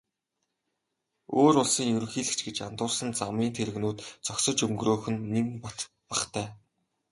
Өөр улсын ерөнхийлөгч гэж андуурсан замын тэрэгнүүд зогсож өнгөрөөх нь нэн бахтай.